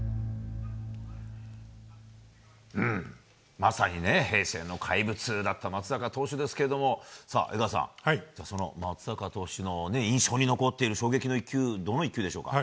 まさに、平成の怪物だった松坂投手ですけれども江川さん、松坂投手の印象に残っている衝撃の１球はどの１球でしょう？